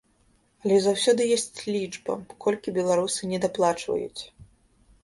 Але заўсёды ёсць лічба, колькі беларусы недаплачваюць.